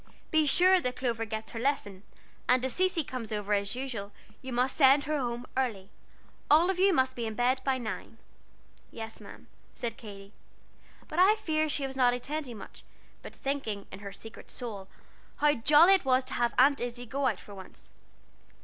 "Be sure that Clover gets her lesson, and if Cecy comes over as usual, you must send her home early. All of you must be in bed by nine." "Yes'm," said Katy, but I fear she was not attending much, but thinking, in her secret soul, how jolly it was to have Aunt Izzie go out for once.